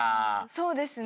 そうですね。